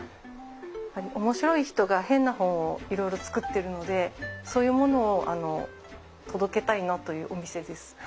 やっぱり面白い人が変な本をいろいろ作っているのでそういうものを届けたいなというお店です。